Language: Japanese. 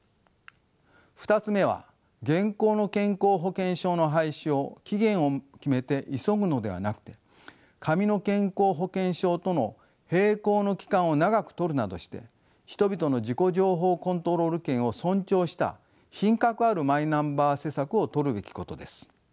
２つ目は現行の健康保険証の廃止を期限を決めて急ぐのではなくて紙の健康保険証との並行の期間を長くとるなどして人々の自己情報コントロール権を尊重した品格あるマイナンバー施策をとるべきことです。